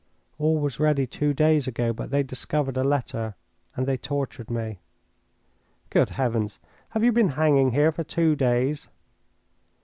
All was ready two days ago. But they discovered a letter and they tortured me." "Good heavens! have you been hanging here for two days?"